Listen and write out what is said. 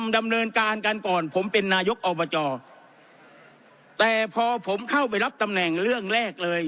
ดำเนินการกันก่อนผมเป็นนายกอบจแต่พอผมเข้าไปรับตำแหน่งเรื่องแรกเลย